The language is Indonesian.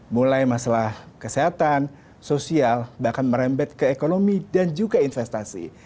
mulai masalah kesehatan sosial bahkan merembet ke ekonomi dan juga investasi